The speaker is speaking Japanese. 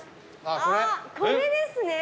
あっこれですね。